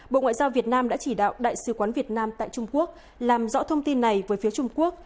bộ ngoại giao việt nam đã chỉ đạo đại sứ quán việt nam tại trung quốc làm rõ thông tin này với phía trung quốc